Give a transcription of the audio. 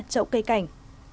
trậu cây cảnh